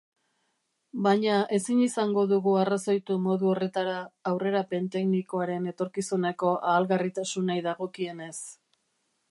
Baina ezin izango dugu arrazoitu modu horretara aurrerapen teknikoaren etorkizuneko ahalgarritasunei dagokienez.